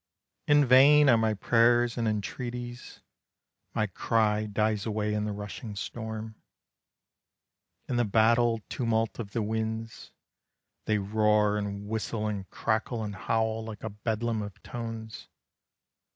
In vain are my prayers and entreaties, My cry dies away in the rushing storm, In the battle tumult of the winds. They roar and whistle and crackle and howl Like a bedlam of tones.